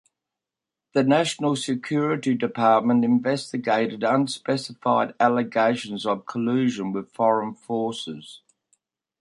The national security department investigated unspecified allegations of collusion with foreign forces.